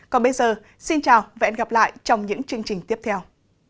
còn bây giờ xin chào và hẹn gặp lại trong những chương trình tiếp theo